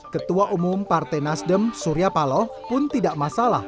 ketua umum partai nasdem surya paloh pun tidak masalah